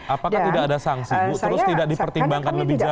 apakah tidak ada sangsi terus tidak dipertimbangkan lebih jauh